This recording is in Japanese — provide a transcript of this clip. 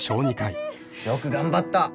「よく頑張った！」